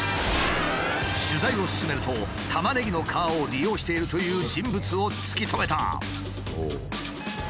取材を進めるとタマネギの皮を利用しているという人物を突き止めた。